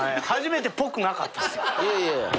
初めてぽくなかったっすよ。